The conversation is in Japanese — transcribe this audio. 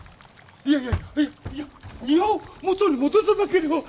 いやいや庭を元に戻さなければ。